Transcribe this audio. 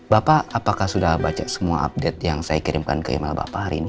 bapak apakah sudah baca semua update yang saya kirimkan ke email bapak hari ini